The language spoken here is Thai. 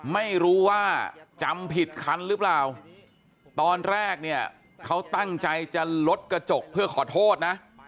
ไม่รู้ว่าจำผิดคันหรือเปล่าตอนแรกเนี่ยเขาตั้งใจจะลดกระจกเพื่อขอโทษนะ